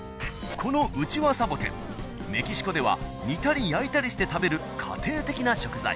このウチワサボテンメキシコでは煮たり焼いたりして食べる家庭的な食材。